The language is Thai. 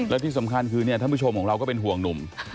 และที่สำคัญคือเนี่ยท่านผู้ชมของเราก็เป็นห่วงหนุ่ม